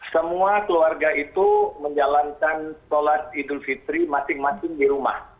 semua keluarga itu menjalankan sholat idul fitri masing masing di rumah